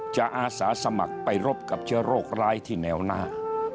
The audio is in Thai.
อาสาสมัครไปรบกับเชื้อโรคร้ายที่แนวหน้า